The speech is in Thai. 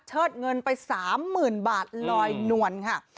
เชิดเงินไป๓๐๐๐๐โรยนวลค่ะ